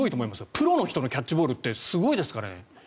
プロの人のキャッチボールってすごいですからね。